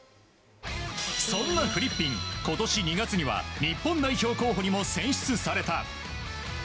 そんなフリッピン、今年２月には日本代表候補にも選出された。